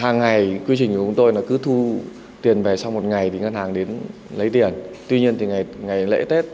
ngân hàng cứ thu tiền về sau một ngày thì ngân hàng đến lấy tiền tuy nhiên thì ngày lễ tết